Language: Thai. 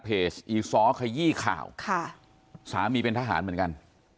อีซ้อขยี้ข่าวค่ะสามีเป็นทหารเหมือนกัน